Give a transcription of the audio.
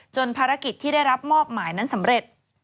ภารกิจที่ได้รับมอบหมายนั้นสำเร็จ